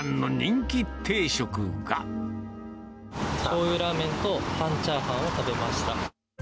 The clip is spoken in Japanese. しょうゆラーメンと半チャーハンを食べました。